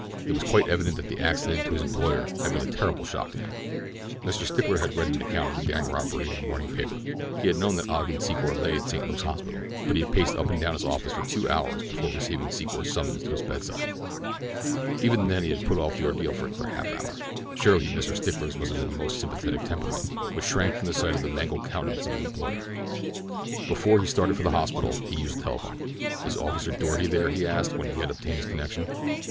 It was quite evident that the accident to his employer had been a terrible shock to him. Mr. Stickler had read an account of the daring robbery in his morning paper. He had known that Ogden Secor lay at St. Luke's hospital; but he had paced up and down his office for two hours before receiving Secor's summons to his bedside. Even then he had put off the ordeal for another half hour—surely Mr. Stickler's must have been a most sympathetic temperament, which shrank from the sight of the mangled countenance of his employer! Before he started for the hospital he used the telephone. "Is Officer Doarty there?" he asked, when he had obtained his connection.